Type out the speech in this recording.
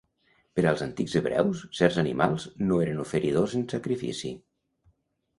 Per als antics hebreus, certs animals no eren oferidors en sacrifici.